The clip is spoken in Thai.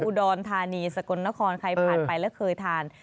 อุดรธานีสกลนครใครผ่านไปแล้วเคยทาน